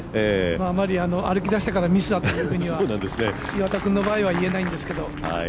あまり、歩きだしたからミスだというふうには岩田君の場合は言えないんですけど。